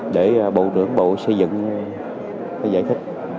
để bộ trưởng bộ xây dựng giải thích